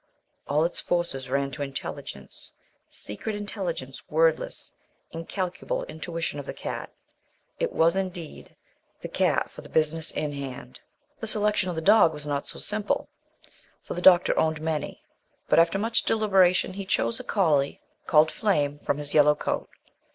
All its forces ran to intelligence secret intelligence, wordless, incalculable intuition of the Cat. It was, indeed, the cat for the business in hand. The selection of the dog was not so simple, for the doctor owned many; but after much deliberation he chose a collie, called Flame from his yellow coat.